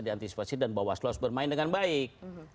diantisipasi dan bawa slos bermain dengan baik